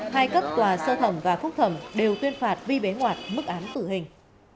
hai cấp tòa sơ thẩm và khúc thẩm đều tuyên phạt vi bế ngoạt mức án tử hình